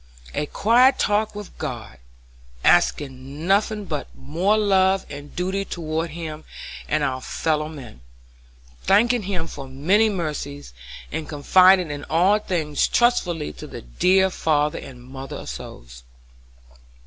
A quiet talk with God, asking nothing but more love and duty toward Him and our fellow men; thanking Him for many mercies, and confiding all things trustfully to the "dear father and mother of souls."